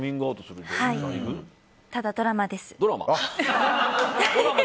ただ、ドラマです。